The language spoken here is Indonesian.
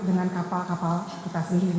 dengan kapal kapal kita sendiri